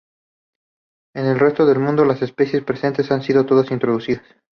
En el resto del mundo, las especies presentes han sido todas introducidas.